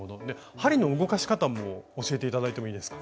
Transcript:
針の動かし方も教えて頂いてもいいですか？